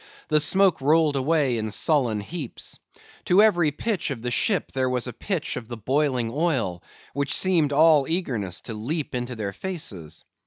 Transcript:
The smoke rolled away in sullen heaps. To every pitch of the ship there was a pitch of the boiling oil, which seemed all eagerness to leap into their faces.